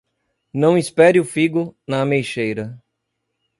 Não espere um figo na ameixeira!